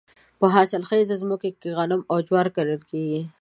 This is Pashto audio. په حاصل خیزو ځمکو کې غنم او جوار کرل کیږي.